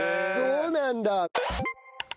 そうなんだ。